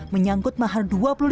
menyangkutkan penipuan olivia menjawab